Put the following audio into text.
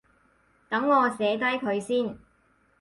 等我寫低佢先